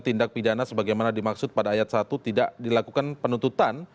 tindak pidana sebagaimana dimaksud pada ayat satu tidak dilakukan penuntutan